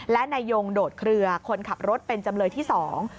และนายยงโดดเคลือคนขับรถเป็นจำเลยที่สอง